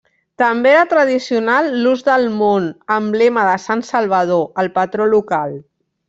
També era tradicional l'ús del món, emblema de sant Salvador, el patró local.